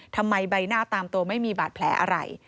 ทำไมใบหน้าตามตัวไม่มีบาดแผลอะไร